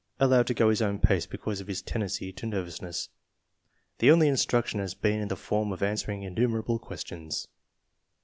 Allowed to go his own pace because of his tendency to nervous ness. The only instruction has been in the form of answering innumerable questions.